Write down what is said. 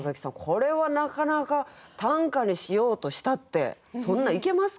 これはなかなか短歌にしようとしたってそんないけますか？